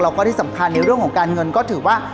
แล้วก็ที่สำคัญในเรื่องของการเงินก็ถือว่า